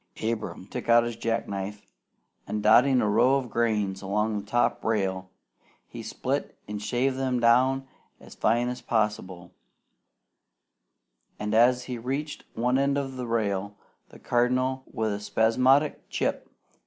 Abram took out his jack knife, and dotting a row of grains along the top rail, he split and shaved them down as fine as possible; and as he reached one end of the rail, the Cardinal, with a spasmodic "Chip!"